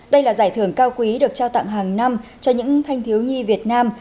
đây là giải thưởng cao quý được trao tặng hàng năm cho những thanh thiếu nhi việt nam